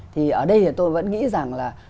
thì ở đây thì tôi vẫn nghĩ rằng là